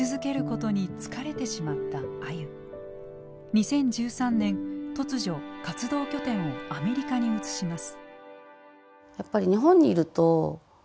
２０１３年突如活動拠点をアメリカに移します。